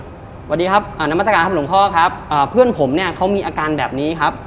สวัสดีครับน้ำมัศกาลครับหลวงพ่อครับเพื่อนผมเนี่ยเขามีอาการแบบนี้ครับ